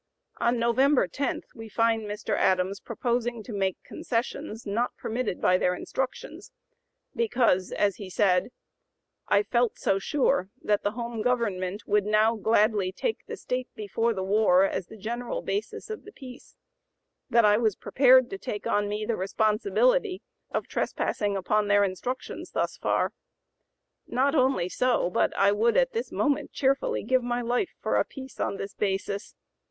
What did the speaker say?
On November 10 we find Mr. Adams proposing to make (p. 087) concessions not permitted by their instructions, because, as he said: "I felt so sure that [the home government] would now gladly take the state before the war as the general basis of the peace, that I was prepared to take on me the responsibility of trespassing upon their instructions thus far. Not only so, but I would at this moment cheerfully give my life for a peace on this basis.